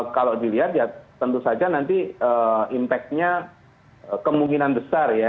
kalau dilihat ya tentu saja nanti impactnya kemungkinan besar ya